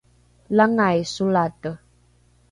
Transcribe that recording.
langai solate